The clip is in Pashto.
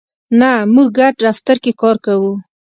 نه، موږ ګډ دفتر کی کار کوو